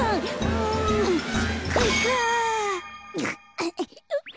うんかいか！